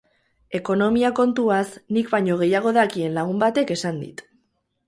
Ekonomia kontuaz nik baino gehiago dakien lagun batek esan dit.